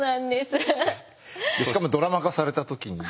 しかもドラマ化された時に。